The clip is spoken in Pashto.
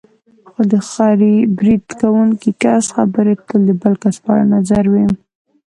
خو د برید کوونکي کس خبرې تل د بل کس په اړه نظر وي.